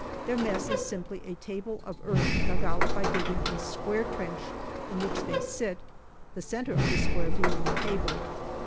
Their mess is simply a table of earth dug out by digging a square trench in which they sit, the centre of the square being the table.